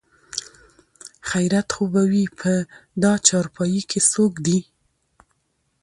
خېرت خو به وي په دا چارپايي کې څوک دي?